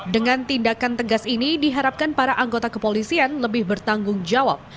dengan tindakan tegas ini diharapkan para anggota kepolisian lebih bertanggung jawab